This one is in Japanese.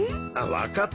分かったよ